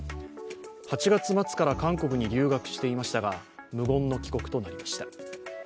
８月末から韓国に留学していましたが、無言の帰国となりました。